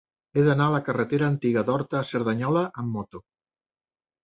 He d'anar a la carretera Antiga d'Horta a Cerdanyola amb moto.